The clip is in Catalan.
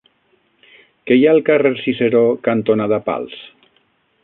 Què hi ha al carrer Ciceró cantonada Pals?